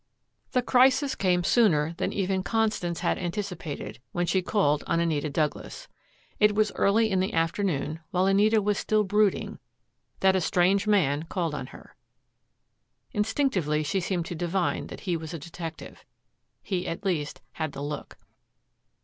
The crisis came sooner than even Constance had anticipated when she called on Anita Douglas. It was early in the afternoon, while Anita was still brooding, that a strange man called on her. Instinctively she seemed to divine that he was a detective. He, at least, had the look.